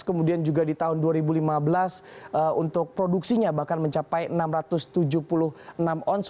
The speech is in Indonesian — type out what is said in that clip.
kemudian juga di tahun dua ribu lima belas untuk produksinya bahkan mencapai enam ratus tujuh puluh enam on